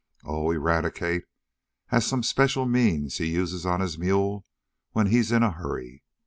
"Oh, Eradicate has some special means he uses on his mule when he's in a hurry.